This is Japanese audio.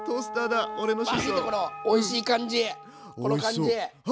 おいしい感じこの感じ。